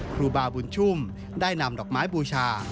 ครูบาบุญชุ่มได้นำดอกไม้บูชา